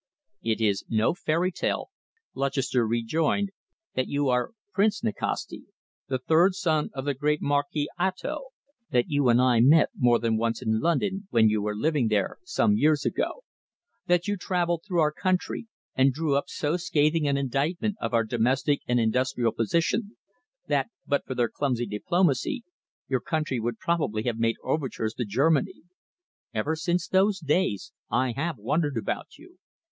"It is no fairy tale," Lutchester rejoined, "that you are Prince Nikasti, the third son of the great Marquis Ato, that you and I met more than once in London when you were living there some years ago; that you travelled through our country, and drew up so scathing an indictment of our domestic and industrial position that, but for their clumsy diplomacy, your country would probably have made overtures to Germany. Ever since those days I have wondered about you.